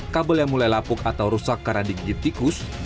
kabel yang mulai lapuk atau rusak karena digijit tikus